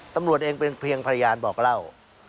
ตำรวจเองเป็นเพียงพยานบอกเล่า